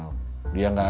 tidak ada apa apa